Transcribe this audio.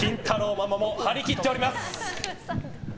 ママも張り切っております。